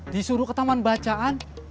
disuruh ke taman bacaan